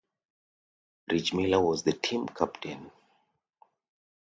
Rich Miller was the team captain.